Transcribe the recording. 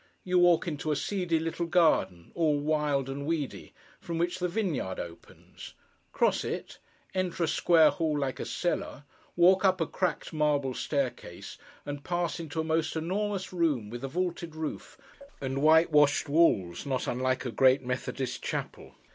You walk into a seedy little garden, all wild and weedy, from which the vineyard opens; cross it, enter a square hall like a cellar, walk up a cracked marble staircase, and pass into a most enormous room with a vaulted roof and whitewashed walls: not unlike a great Methodist chapel.